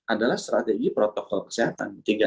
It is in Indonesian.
adalah strategi protokol kesehatan